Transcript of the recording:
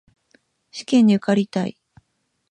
試験に受かりたい